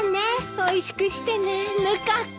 おいしくしてねぬか子。